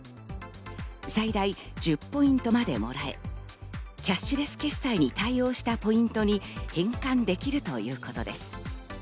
最大１０ポイントまでもらえ、キャッシュレス決済に対応したポイントに変換できるということです。